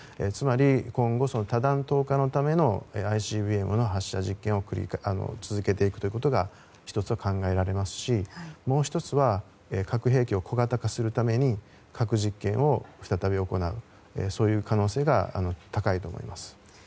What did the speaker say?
つまり、今後その多弾頭化のためのＩＣＢＭの発射実験を続けていくということが１つは考えられますしもう１つは核兵器を小型化するために核実験を再び行うそういう可能性が高いと思います。